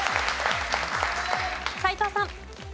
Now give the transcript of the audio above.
斎藤さん。